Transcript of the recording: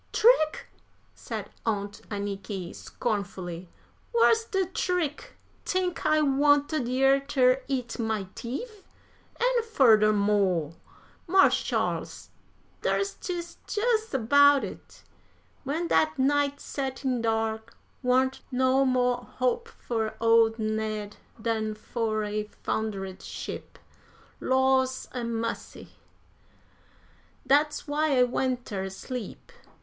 "Trick!" said Aunt Anniky, scornfully, "whar's de trick? Tink I wanted yer ter eat my teef? An' furder mo', Marsh Sharles, dar's jes' dis about it: when dat night set in dar warn't no mo' hope fur old Ned dan fur a foundered sheep. Laws a massy! dat's why I went ter sleep.